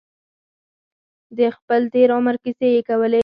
د خپل تېر عمر کیسې یې کولې.